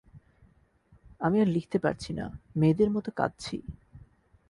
আমি আর লিখতে পারছি না, মেয়েদের মত কাঁদছি।